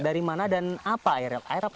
dari mana dan apa